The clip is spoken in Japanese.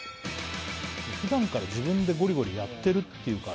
普段から自分でゴリゴリやってるっていうからね